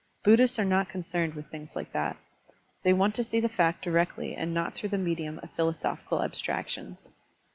Buddhists are not concerned with things like that. They want to see the fact directly and not through the meditim of philosophical abstractions.